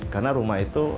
karena rumah itu